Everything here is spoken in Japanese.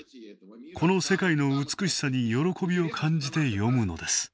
この世界の美しさに喜びを感じて詠むのです。